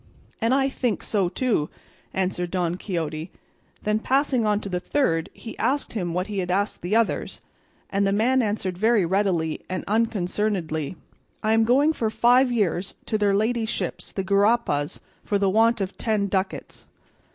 "And I think so too," answered Don Quixote; then passing on to the third he asked him what he had asked the others, and the man answered very readily and unconcernedly, "I am going for five years to their ladyships the gurapas for the want of ten ducats."